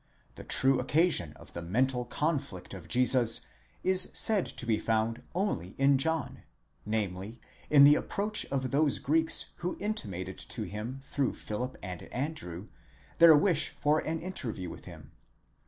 'The true occasion of the mental conflict of Jesus is said to be found only in John, namely, in the approach of those Greeks who intimated to him through Philip and Andrew their wish for an interview with him.